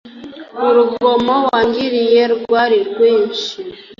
urugomo wangiriye rwari rwinshi